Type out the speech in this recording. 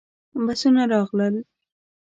بسونه راغلل.